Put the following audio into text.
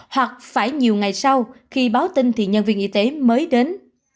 hoặc phải nhiều ngày sau khi báo tin thì nhân viên y tế mới đến